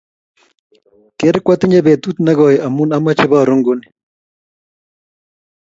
Ker kwatinye petut nekoi amu amache paru nguni